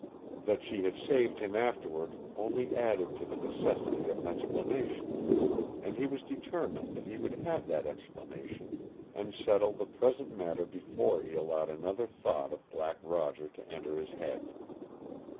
That she had saved him afterward only added to the necessity of an explanation, and he was determined that he would have that explanation and settle the present matter before he allowed another thought of Black Roger to enter his head.